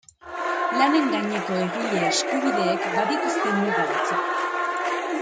Lanen gaineko egile eskubideek badituzte muga batzuk.